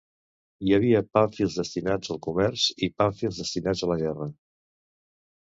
Hi havia pàmfils destinats al comerç i pàmfils destinats a la guerra.